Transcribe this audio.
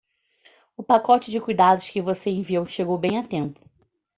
O pacote de cuidados que você me enviou chegou bem a tempo.